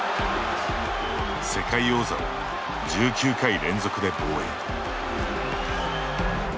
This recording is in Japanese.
世界王座を１９回連続で防衛。